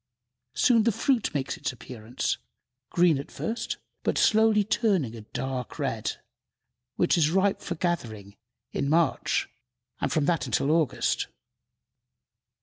Soon the fruit makes its appearance, green at first, but shortly turning a dark red, which is ripe for gathering in March, and from that until August.